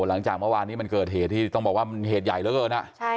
หลังจากเมื่อวานนี้มันเกิดเหตุที่ต้องบอกว่ามันเหตุใหญ่เหลือเกิน